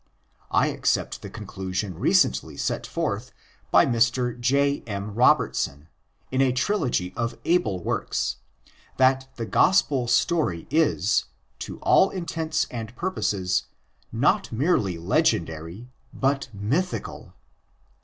I accept the conclusion recently set forth by Mr. J. M. Robertson in a trilogy of able works, that the Gospel story is, to all intents and pur poses, not merely legendary, but mythical.